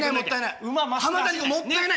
浜谷君もったいない！